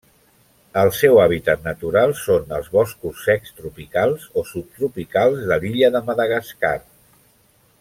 El seu hàbitat natural són els boscos secs tropicals o subtropicals de l'illa de Madagascar.